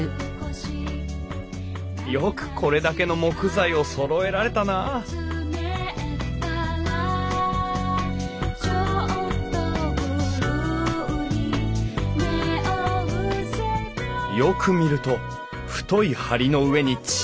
よくこれだけの木材をそろえられたなあよく見ると太い梁の上に小さな梁。